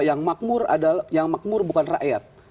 yang makmur bukan rakyat